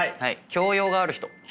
教養がある。